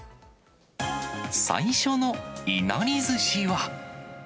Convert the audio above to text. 最初のいなりずしは。